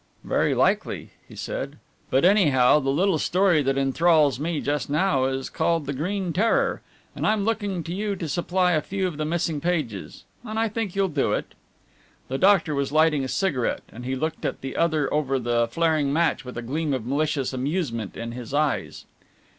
"Very likely," he said, "but anyhow the little story that enthralls me just now is called the Green Terror, and I'm looking to you to supply a few of the missing pages. And I think you'll do it." The doctor was lighting a cigarette, and he looked at the other over the flaring match with a gleam of malicious amusement in his eyes.